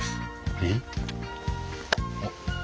えっ？